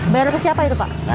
bayar ke siapa itu pak